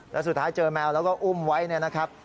แล้วสุดท้ายเจอแมวแล้วก็อุ้มไว้เนี่ยนะครับ